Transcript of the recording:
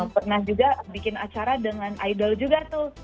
pernah juga bikin acara dengan idol juga tuh